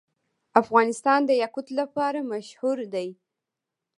افغانستان د یاقوت لپاره مشهور دی.